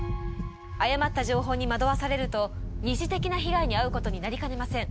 誤った情報に惑わされると二次的な被害に遭うことになりかねません。